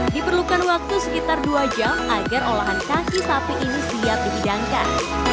diperlukan waktu sekitar dua jam agar olahan kaki sapi ini siap dihidangkan